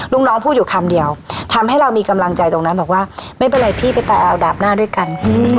ลูกน้องพูดอยู่คำเดียวทำให้เรามีกำลังใจตรงนั้นบอกว่าไม่เป็นไรพี่ไปตายเอาดาบหน้าด้วยกัน